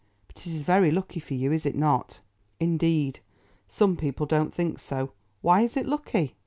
But it is very lucky for you, is it not?" "Indeed! Some people don't think so. Why is it lucky?"